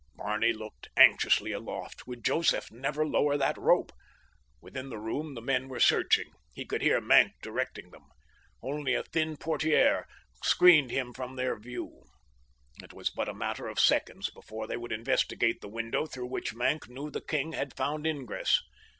Barney looked anxiously aloft. Would Joseph never lower that rope! Within the room the men were searching. He could hear Maenck directing them. Only a thin portiere screened him from their view. It was but a matter of seconds before they would investigate the window through which Maenck knew the king had found ingress.